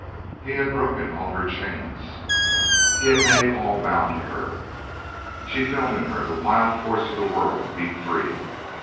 He had broken all her chains, he made all bow to her. She felt in her the wild force of the world beat free. ...